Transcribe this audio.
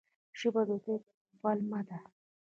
ژبه د دوی پلمه ده.